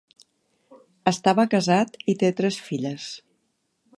Estava casat i té tres filles.